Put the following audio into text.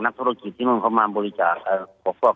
นักธุรกิจที่มันเข้ามาบริจาค